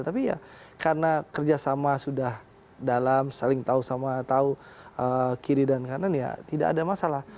tapi ya karena kerjasama sudah dalam saling tahu sama tahu kiri dan kanan ya tidak ada masalah